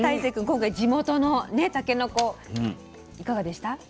今回地元のたけのこいかがでした？